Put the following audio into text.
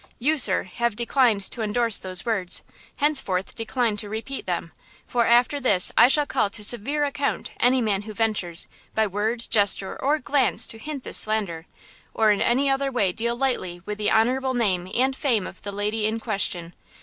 You, sir, have declined to endorse those words; henceforth decline to repeat them! For after this I shall call to a severe account any man who ventures, by word, gesture or glance to hint this slander, or in any other way deal lightly with the honorable name and fame of the lady in question.